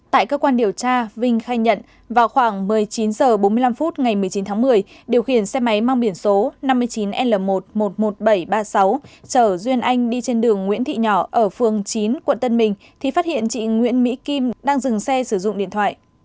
tại cơ quan điều tra vinh khai nhận vào khoảng một mươi chín h bốn mươi năm phút ngày một mươi chín tháng một mươi điều khiển xe máy mang biển số năm mươi chín l một trăm một mươi một nghìn bảy trăm ba mươi sáu chở duyên anh đi trên đường nguyễn thị nhỏ ở phường chín quận tân bình thì phát hiện chị nguyễn mỹ kim đang dừng xe sử dụng điện thoại